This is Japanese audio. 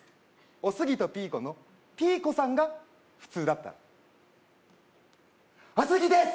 おすぎとピーコのピーコさんが普通だったらおすぎです！